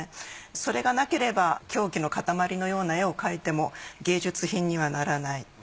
それがなければ狂気の塊のような絵を描いても芸術品にはならない。